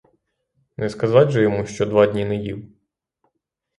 Не сказать же йому, що два дні не їв?